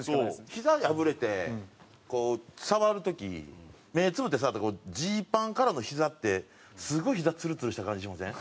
ひざ破れて触る時目つぶって触るとジーパンからのひざってすごいひざツルツルした感じしません？